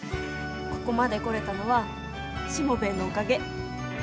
ここまで来れたのはしもべえのおかげ。